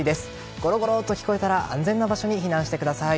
ゴロゴロと聞こえたら安全な場所に避難してください。